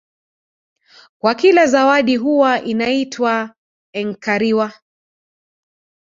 Kwa kila zawadi huwa inaitwa enkariwa